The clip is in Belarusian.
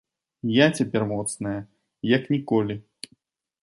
Я цяпер моцная як ніколі.